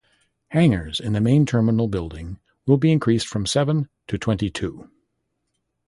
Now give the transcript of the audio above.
Hangers in the main terminal building will be increased from seven to twenty two.